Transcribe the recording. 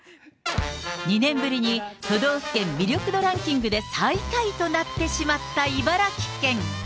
２年ぶりに都道府県魅力度ランキングで最下位となってしまった茨城県。